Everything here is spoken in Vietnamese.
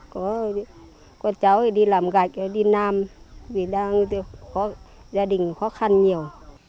có con cháu đi làm gạch đi nam vì gia đình khó khăn nhiều